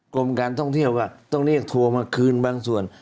กรมการท่องเที่ยวต้องเรียกทัวร์มาคืนบางส่วน